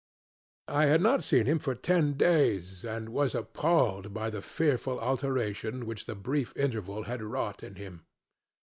I had not seen him for ten days, and was appalled by the fearful alteration which the brief interval had wrought in him.